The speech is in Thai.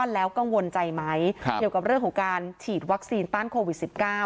แล้วกังวลใจไหมเกี่ยวกับเรื่องของการฉีดวัคซีนต้านโควิด๑๙